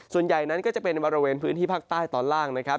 ส่วนใหญ่นั้นก็จะเป็นบริเวณพื้นที่ภาคใต้ตอนล่างนะครับ